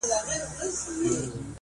له ناكامه يې ويل پرې تحسينونه!!